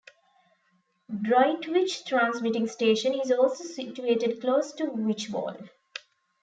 Droitwich transmitting station is also situated close to Wychbold.